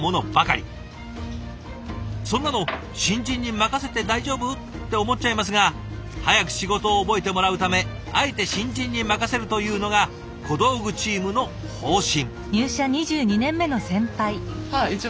そんなの新人に任せて大丈夫？って思っちゃいますが早く仕事を覚えてもらうためあえて新人に任せるというのが小道具チームの方針。